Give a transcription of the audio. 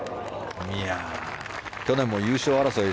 去年も優勝争い